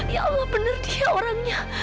ya allah benar dia orangnya